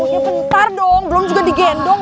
ya bentar dong belum juga digendong